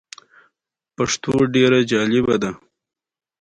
سومریانو مختلف کانالونه او کورونه هم جوړ کړي وو.